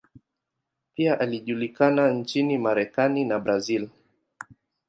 Pia alijulikana nchini Marekani na Brazil.